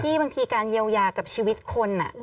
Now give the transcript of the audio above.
บางทีการเยียวยากับชีวิตคน